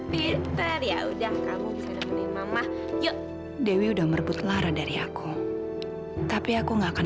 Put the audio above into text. pinter ya udah kamu bisa nemenin mama yuk dewi udah merebut lara dari aku tapi aku gak akan